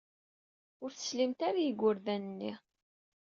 Ur teslimt ara i yigurdan-nni.